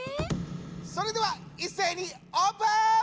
それではいっせいにオープン！